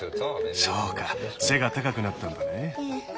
そうか背が高くなったんだね。